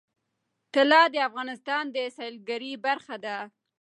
طلا د افغانستان د سیلګرۍ برخه ده.